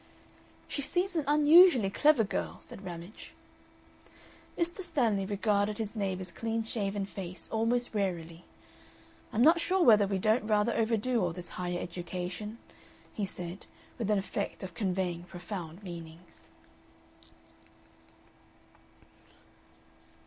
"She seems an unusually clever girl," said Ramage. Mr. Stanley regarded his neighbor's clean shaven face almost warily. "I'm not sure whether we don't rather overdo all this higher education," he said, with an effect of conveying profound meanings.